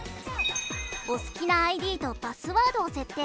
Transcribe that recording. お好きなＩＤとパスワードを設定。